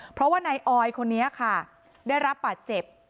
เพราะว่านายออยคนนี้ค่ะได้รับบาดเจ็บ